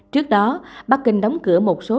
trước đó bắc kinh đóng cửa một số trường học